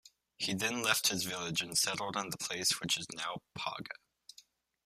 He then left his village and settled in the place which is now Paga.